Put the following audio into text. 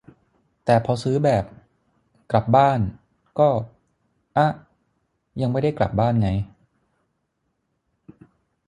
แต่พอซื้อแบบ กลับบ้าน ก็ อ๊ะ ยังไม่ได้กลับบ้านไง